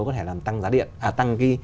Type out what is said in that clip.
có thể làm tăng giá điện tăng